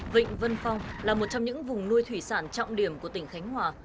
vịnh vân phong là một trong những vùng nuôi thủy sản trọng điểm của tỉnh khánh hòa